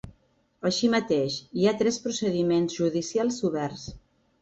Així mateix, hi ha tres procediments judicials obert.